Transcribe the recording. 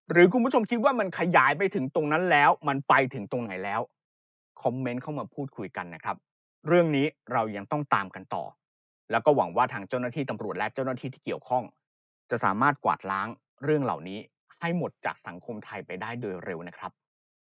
คุณผู้ชมคิดว่ามันขยายไปถึงตรงนั้นแล้วมันไปถึงตรงไหนแล้วเรามีคอมเมนต์เข้ามาพูดคุยกันนะครับเรื่องนี้เรายังต้องตามกันต่อแล้วก็หวังว่าทางเจ้าหน้าที่ตำรวจและเจ้าหน้าที่ที่เกี่ยวข้องจะสามารถกวาดล้างเรื่องเหล่านี้ให้หมดจากสังคมไทยไปได้โดยเร็วนะครับ